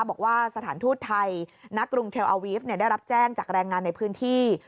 บอกว่าสถานทูตไทยณกรุงเทลอาวีฟได้รับแจ้งจากแรงงานในพื้นที่